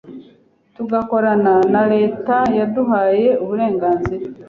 tugakorana na leta yaduhaye uburenganzira